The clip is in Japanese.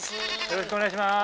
よろしくお願いします。